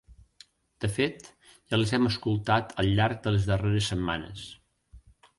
De fet ja les hem escoltat al llarg de les darreres setmanes.